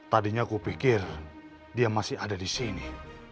tadinya aku pikir dia masih ada di sini